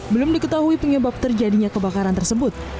belum diketahui penyebab terjadinya kebakaran tersebut